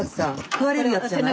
食われるやつじゃない？